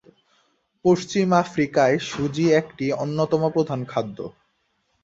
পশ্চিম আফ্রিকায় সুজি একটি অন্যতম প্রধান খাদ্য।